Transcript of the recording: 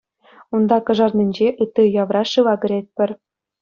Унта Кӑшарнинче, ытти уявра шыва кӗретпӗр.